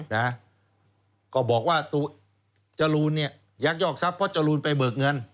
นะก็บอกว่าตัวจรูนเนี่ยยักยอกทรัพย์เพราะจรูนไปเบิกเงิน